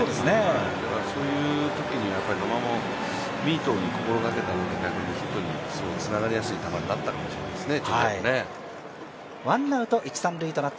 だから、そういうときに野間も、ミートに心がけたのが逆にヒットにつながりやすい球になったんですかね。